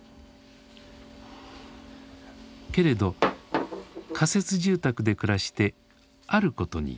けれど仮設住宅で暮らしてあることに気付く。